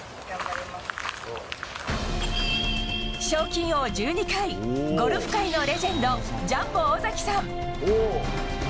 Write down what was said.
賞金王１２回ゴルフ界のレジェンドジャンボ尾崎さん。